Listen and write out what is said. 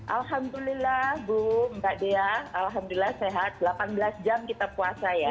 alhamdulillah bu mbak dea alhamdulillah sehat delapan belas jam kita puasa ya